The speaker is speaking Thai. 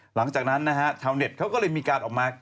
หลังจากนั้นแถวเน็ตก็เลยมีการออกมา